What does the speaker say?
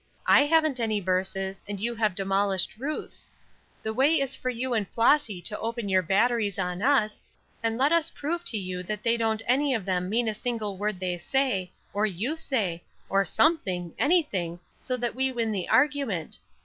I haven't any verses, and you have demolished Ruth's. The way is for you and Flossy to open your batteries on us, and let us prove to you that they don't any of them mean a single word they say, or you say; or something, anything, so that we win the argument.